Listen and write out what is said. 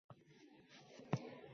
– Meni to‘yga aytibdimi? – dedi fermer